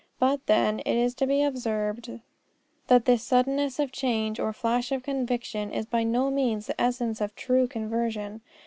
But, then, it is to be observed that this suddenness of change or flash of conviction is by no means of the essence of true conversion.